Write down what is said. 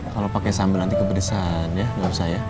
kalo pake sambel nanti kepedesan ya gausah ya